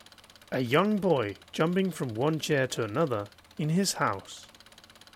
A young boy jumping from one chair to another in his house